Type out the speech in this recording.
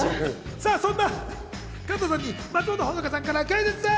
そんな加藤さんに松本穂香さんからクイズッス！